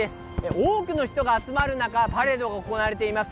多くの人が集まる中、パレードが行われています。